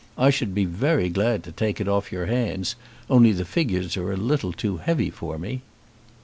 I should be very glad to take it off your hands, only the figures are a little too heavy for me."